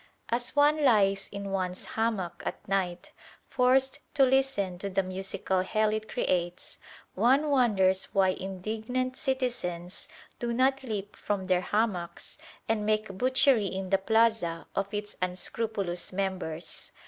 As one lies in one's hammock at night, forced to listen to the musical hell it creates, one wonders why indignant citizens do not leap from their hammocks and make butchery in the plaza of its unscrupulous members.